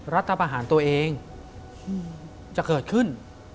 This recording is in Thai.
รัฐประหารตัวเองจะเกิดขึ้น